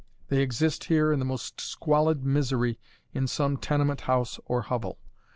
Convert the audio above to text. They exist here in the most squalid misery in some tenement house or hovel.